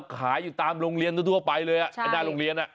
ขายอยู่ตามโรงเรียนทั่วไปเลยอ่ะอันด้านโรงเรียนอ่ะ